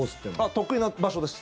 得意な場所です。